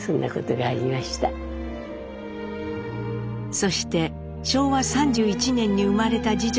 そして昭和３１年に生まれた次女が眞弓。